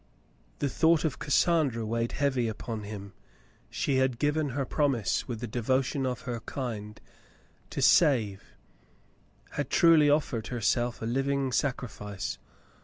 The thought of Cassandra weighed heavily upon him. She had given her promise, with the devotion of her kind, to save ; had truly offered herself a living sacrifice.